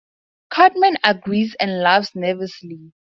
Cartman agrees and laughs nervously.